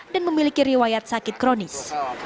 memiliki riwayat sakit kronis